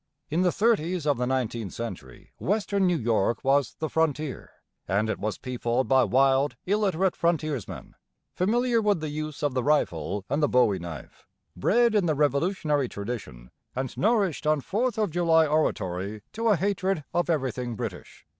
In the thirties of the nineteenth century western New York was the 'frontier,' and it was peopled by wild, illiterate frontiersmen, familiar with the use of the rifle and the bowie knife, bred in the Revolutionary tradition and nourished on Fourth of July oratory to a hatred of everything British.